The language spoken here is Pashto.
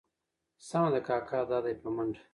سمه ده کاکا دا دي په منډه.